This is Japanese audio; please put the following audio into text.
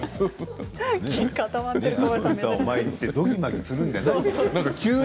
どぎまぎするんじゃないよ。